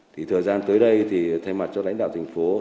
thì thời gian tới đây thì thay mặt cho lãnh đạo thành phố